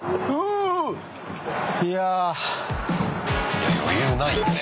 いや余裕ないよね。